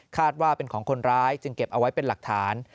ว่าเป็นของคนร้ายจึงเก็บเอาไว้เป็นหลักฐาน